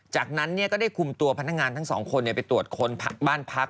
จากนั้นก็ได้คุมตัวพนักงานทั้งสองคนไปตรวจคนบ้านพัก